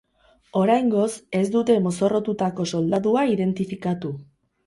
Oraingoz ez dute mozorrotutako soldadua identifikatu.